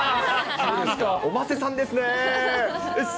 おませさんですね。